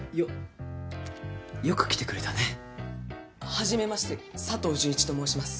初めまして佐藤淳一と申します。